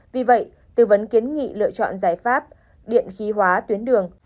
vì vậy tư vấn kiến nghị lựa chọn giải pháp điện khí hóa tuyến đường